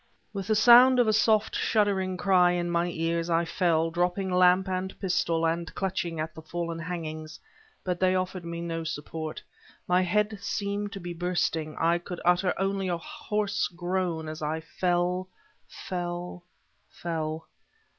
With the sound of a soft, shuddering cry in my ears, I fell, dropping lamp and pistol, and clutching at the fallen hangings. But they offered me no support. My head seemed to be bursting; I could utter only a hoarse groan, as I fell fell fell...